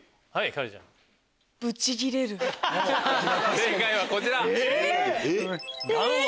正解はこちら。